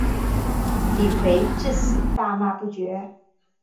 李圭至死大骂不绝。